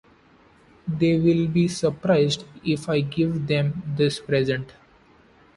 They will be surprised if I give them this present.